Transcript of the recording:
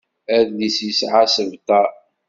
Adlis yesɛa isebtar.